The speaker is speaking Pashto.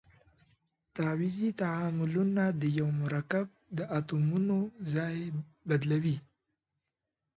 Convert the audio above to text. تعویضي تعاملونه د یوه مرکب د اتومونو ځای بدلوي.